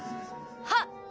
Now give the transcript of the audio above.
はっ！